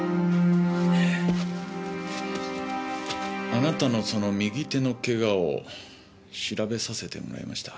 あなたのその右手のケガを調べさせてもらいました。